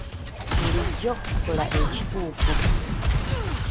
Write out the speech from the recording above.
Bulijjo kola ekituufu.